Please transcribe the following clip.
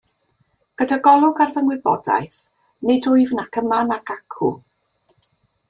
Gyda golwg ar fy ngwybodaeth, nid wyf nac yma nac acw.